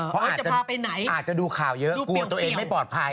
เพราะอาจจะดูข่าวเยอะกลัวตัวเองไม่ปลอดภัย